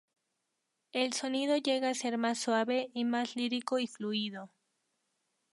El sonido llega a ser más suave y más lírico y fluido.